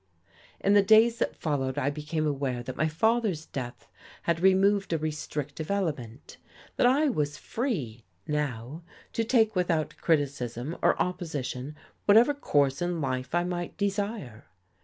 In the days that followed I became aware that my father's death had removed a restrictive element, that I was free now to take without criticism or opposition whatever course in life I might desire.